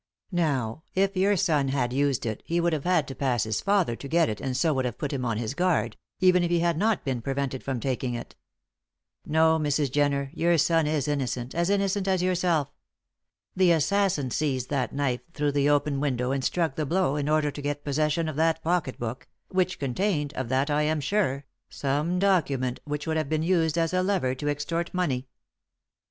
Now, if your son had used it he would have had to pass his father to get it and so would have put him on his guard, even if he had not been prevented from taking it. No, Mrs. Jenner, your son is innocent, as innocent as yourself. The assassin seized that knife through the open window and struck the blow in order to get possession of that pocket book, which contained of that I am sure some document which would have been used as a lever to extort money.